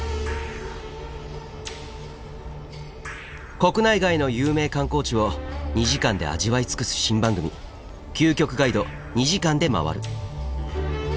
国内外の有名観光地を２時間で味わい尽くす新番組「究極ガイド２時間でまわる」。